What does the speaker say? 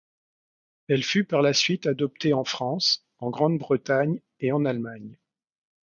Elle fut par la suite adoptée en France, en Grande-Bretagne et en Allemagne.